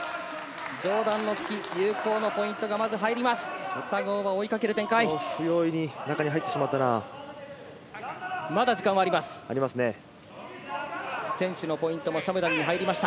上段の突き、有効のポイントがまず、入ります。